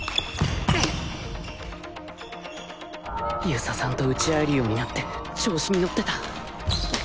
遊佐さんと打ち合えるようになって調子に乗ってた